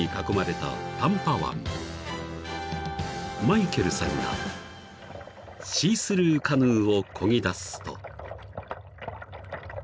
［マイケルさんがシースルーカヌーをこぎだすと］